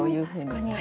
確かに。